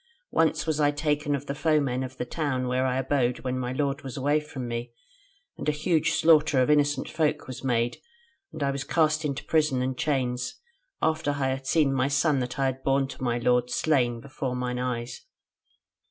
Once was I taken of the foemen in the town where I abode when my lord was away from me, and a huge slaughter of innocent folk was made, and I was cast into prison and chains, after I had seen my son that I had borne to my lord slain before mine eyes.